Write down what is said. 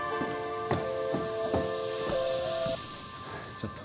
・ちょっと。